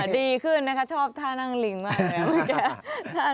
ดีขึ้นนะคะชอบท่านั่งลิงมากเลย